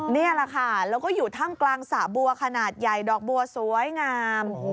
นี่แหละค่ะแล้วก็อยู่ถ้ำกลางสระบัวขนาดใหญ่ดอกบัวสวยงาม